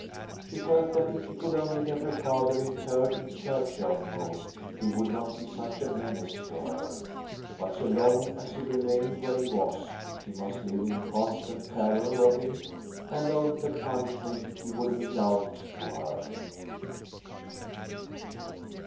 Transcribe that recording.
She felt that if she could only get her father interred in churchyard mould he would not be such a menace to her. But so long as he remained where he was she must live in constant terror of him and of the punishment he would mete out to her.